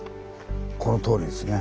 このとおりですね。